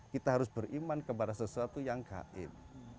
kita harus beriman kepada sesuatu yang gaib